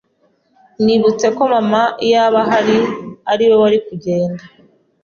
nibutse ko Mama iyaba ahari ari we wari kugenda